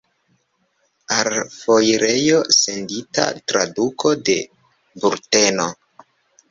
Al foirejo sendita traduko de bulteno.